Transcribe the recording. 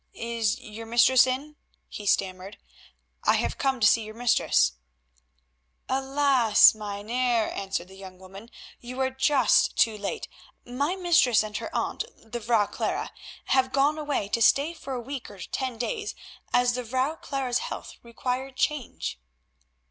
"Is your mistress in?" he stammered. "I have come to see your mistress." "Alas! Mynheer," answered the young woman, "you are just too late. My mistress and her aunt, the Vrouw Clara, have gone away to stay for a week or ten days as the Vrouw Clara's health required a change."